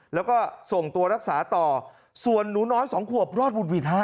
แล้วก็ส่งตัวรักษาต่อส่วนหนูน้อยสองขวบรอดหวุดหวิดฮะ